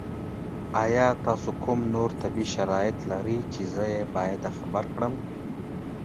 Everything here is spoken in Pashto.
ایا تاسو کوم نور طبي شرایط لرئ چې زه یې باید خبر کړم؟